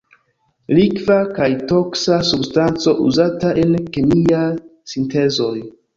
Likva kaj toksa substanco uzata en kemiaj sintezoj.